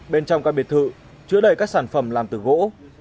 bên trong căn biệt thự chứa đầy các sản phẩm làm từ gỗ